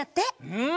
うん！